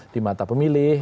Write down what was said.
di mata pemilih